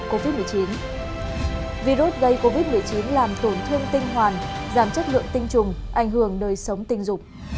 chất lượng tinh trùng ảnh hưởng đời sống tinh dục